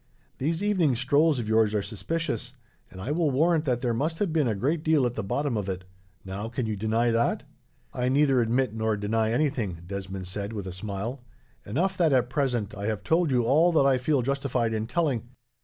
These evening strolls of yours are suspicious, and I will warrant that there must have been a great deal at the bottom of it. Now, can you deny that?" "I neither admit nor deny anything," Desmond said, with a smile; "enough that, at present, I have told you all that I feel justified in telling.